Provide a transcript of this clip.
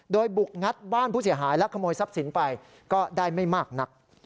โดยบุกงัดบ้านผู้เสียหายและขโมยทรัพย์สินไปก็ได้ไม่มากนัก